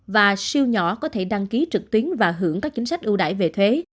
và siêu nhỏ có thể đăng ký trực tuyến và hưởng các chính sách ưu đại về thuế